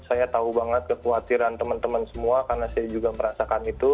saya tahu banget kekhawatiran teman teman semua karena saya juga merasakan itu